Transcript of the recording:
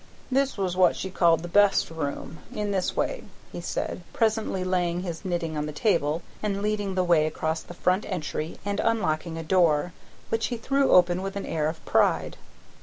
"This was what she called the best room; in this way," he said presently, laying his knitting on the table, and leading the way across the front entry and unlocking a door, which he threw open with an air of pride.